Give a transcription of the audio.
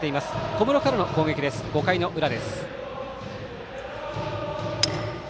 小室からの攻撃です、５回の裏。